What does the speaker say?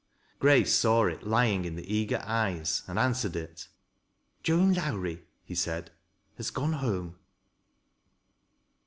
Grace saw it lying in the eager eyes and answered it " Joan Lowrie," he said, " has gone home."